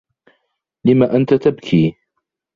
لم أنت تبكي؟